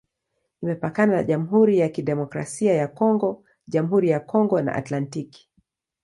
Imepakana na Jamhuri ya Kidemokrasia ya Kongo, Jamhuri ya Kongo na Atlantiki.